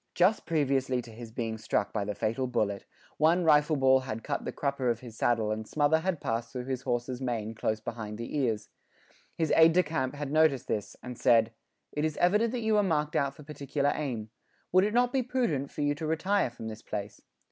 Just previously to his being struck by the fatal bullet, one rifle ball had cut the crupper of his saddle and smother had passed through his horse's mane close behind the ears. His aide de camp had noticed this, and said: "It is evident that you are marked out for particular aim; would it not be prudent; for you to retire from this place?"